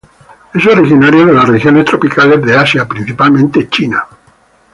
Es originario de las regiones tropicales de Asia, principalmente en China.